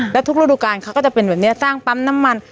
แล้วทุกฤดูการเขาก็จะเป็นแบบนี้สร้างปั๊มน้ำมัน